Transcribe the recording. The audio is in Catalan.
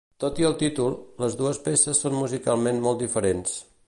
Tot i el títol, les dues peces són musicalment molt diferents.